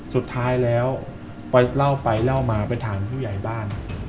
สุดท้ายแล้วพอเล่าไปเล่ามาไปถามผู้ใหญ่บ้าน